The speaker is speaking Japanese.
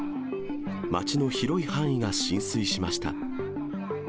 街の広い範囲が浸水しました。